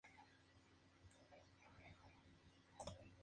Es uno de los bailes típicos de Cerdeña.